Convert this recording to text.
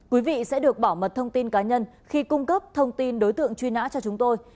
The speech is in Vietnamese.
quý vị sẽ được bảo mật thông tin cá nhân khi cung cấp thông tin đối tượng truy nã cho chúng tôi